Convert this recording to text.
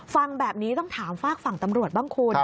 ฟังแบบนี้ต้องถามฝากฝั่งตำรวจบ้างคุณ